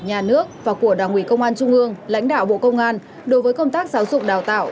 nhà nước và của đảng ủy công an trung ương lãnh đạo bộ công an đối với công tác giáo dục đào tạo